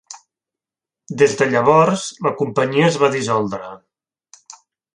Des de llavors, la companyia es va dissoldre.